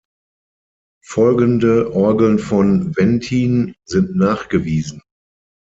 Folgende Orgeln von Wenthin sind nachgewiesen.